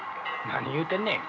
何言うてんねん。